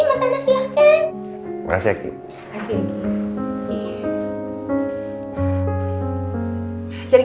ibu pernah kuganti sama jehead length selama kejadian